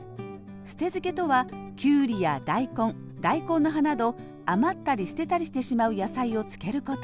捨て漬けとはきゅうりや大根大根の葉など余ったり捨てたりしてしまう野菜を漬けること。